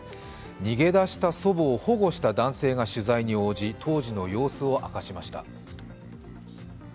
逃げ出した祖母を保護した男性が取材に応じ、当時の様子を明かしました。